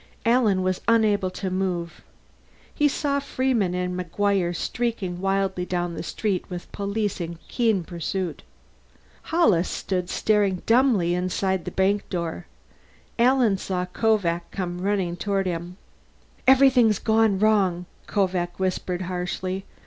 Alan was unable to move. He saw Freeman and McGuire streaking wildly down the street with police in keen pursuit. Hollis stood staring dumbly inside the bank door. Alan saw Kovak come running toward him. "Everything's gone wrong!" Kovak whispered harshly.